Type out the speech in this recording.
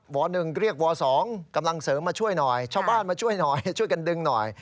๑เรียกว๒กำลังเสริมมาช่วยหน่อยชาวบ้านมาช่วยหน่อยช่วยกันดึงหน่อย